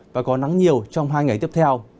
và có nắng nhiều trong hai ngày tiếp theo